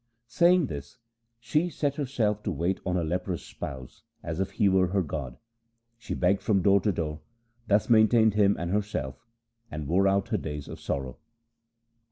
Saying this she set herself to wait on her leprous spouse, as if he were her god. She begged from door to door, thus maintained him and herself, and wore out her days of sorrow.